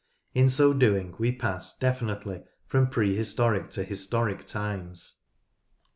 In so doing we pass definitely from prehistoric to historic times.